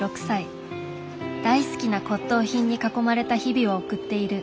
大好きな骨董品に囲まれた日々を送っている。